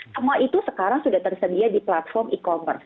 semua itu sekarang sudah tersedia di platform e commerce